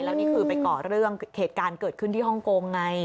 แล้วนี่คือไปก่อเรื่องเหตุการณ์เกิดขึ้นที่ฮ่องกงไง